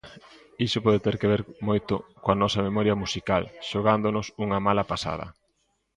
Iso pode ter que ver moito coa nosa memoria musical xogándonos unha mala pasada.